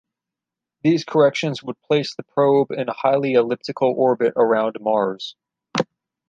These corrections would place the probe in a highly elliptical orbit around Mars.